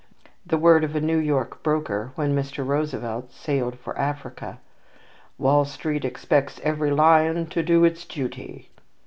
The word of a New York broker, when Mr. Roosevelt sailed for Africa, "Wall Street expects every lion to do its duty!"